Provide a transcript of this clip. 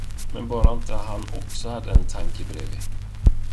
Men bara icke han också hade en tanke bredvid.